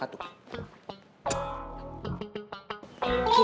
kita kesana yuk